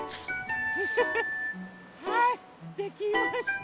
ハハハはいできました。